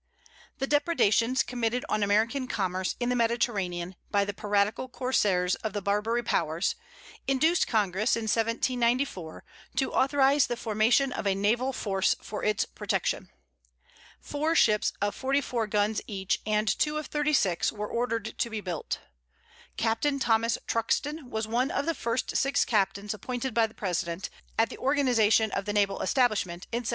The depredations committed on American commerce in the Mediterranean, by the piratical corsairs of the Barbary powers, induced Congress, in 1794, to authorize the formation of a naval force for its protection. Four ships of forty four guns each and two of thirty six were ordered to be built. Captain Thomas Truxton was one of the first six captains appointed by the President, at the organization of the naval establishment, in 1794.